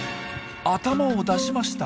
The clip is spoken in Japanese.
頭を出しました。